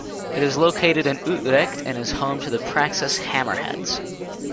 It is located in Utrecht and is home to the Praxis Hammerheads.